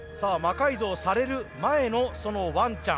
改造される前のワンちゃん。